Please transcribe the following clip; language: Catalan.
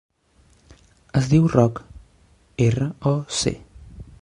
Es diu Roc: erra, o, ce.